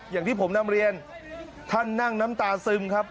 อย่างที่ผมนำเรียนท่านนั่งน้ำตาซึมครับ